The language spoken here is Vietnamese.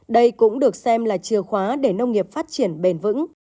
đây cũng được xem là chìa khóa để nông nghiệp phát triển bền vững